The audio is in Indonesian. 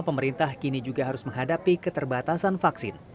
pemerintah kini juga harus menghadapi keterbatasan vaksin